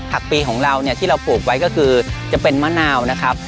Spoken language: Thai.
ปีของเราเนี่ยที่เราปลูกไว้ก็คือจะเป็นมะนาวนะครับ